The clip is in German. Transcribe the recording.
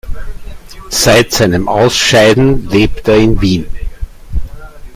Seit seinem Ausscheiden lebt er in Wien.